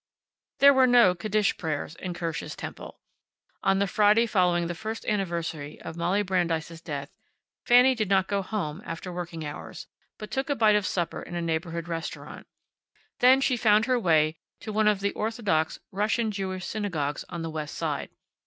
There were no Kaddish prayers in Kirsch's Temple. On the Friday following the first anniversary of Molly Brandeis's death Fanny did not go home after working hours, but took a bite of supper in a neighborhood restaurant. Then she found her way to one of the orthodox Russian Jewish synagogues on the west side.